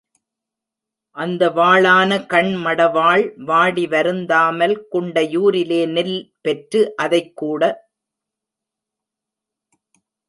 அந்த வாளான கண் மடவாள் வாடி வருந்தாமல் குண்டையூரிலே நெல் பெற்று அதைக் கூட.